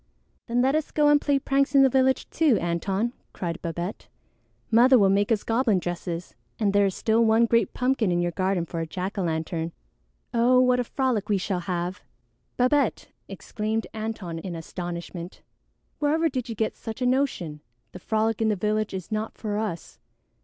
"Then let us go and play pranks in the village too, Antone," cried Babette. "Mother will make us goblin dresses, and there is still one great pumpkin in your garden for a jack o' lantern. Oh, what a frolic we shall have!" "Babette!" exclaimed Antone in astonishment. "Wherever did you get such a notion? The frolic in the village is not for us.